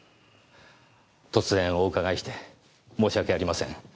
突然お伺いして申し訳ありません。